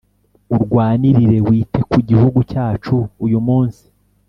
Urwanirire wite kugihugu cyacu uyumunsi